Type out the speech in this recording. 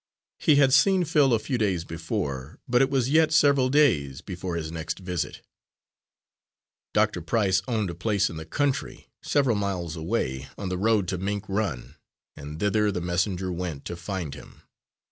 He had seen Phil a few days before, but it was yet several days before his next visit. Dr. Price owned a place in the country, several miles away, on the road to Mink Run, and thither the messenger went to find him.